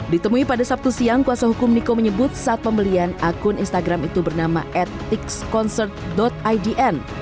ditemui pada sabtu siang kuasa hukum niko menyebut saat pembelian akun instagram itu bernama ethicsconsert idn